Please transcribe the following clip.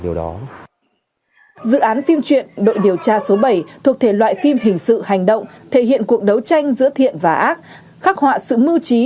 dự án phim truyện đội điều tra số bảy thuộc thể loại phim hình sự hành động thể hiện cuộc đấu tranh giữa thiện và ác khắc họa sự mưu trí